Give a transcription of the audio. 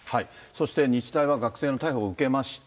そして、日大は学生の逮捕を受けまして。